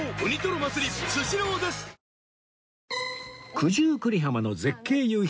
九十九里浜の絶景夕日